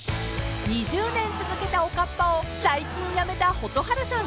［２０年続けたおかっぱを最近やめた蛍原さん］